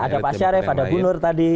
ya ada pak syarif ada bunur tadi